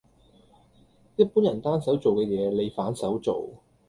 一般人單手做嘅嘢，你反手做